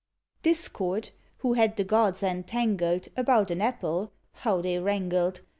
Discord, who had the gods entangled About an apple how they wrangled!